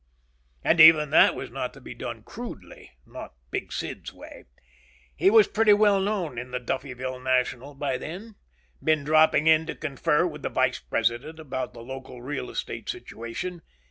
And even that was not to be done crudely. Not Big Sid's way. He was pretty well known in the Duffyville National by then. Been dropping in to confer with the vice president about the local real estate situation.